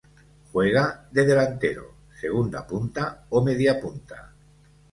Juega de Delantero, segunda punta o mediapunta.